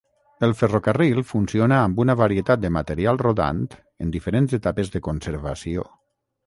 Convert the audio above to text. El ferrocarril funciona amb una varietat de material rodant en diferents etapes de conservació.